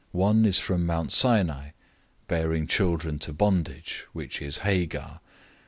One is from Mount Sinai, bearing children to bondage, which is Hagar.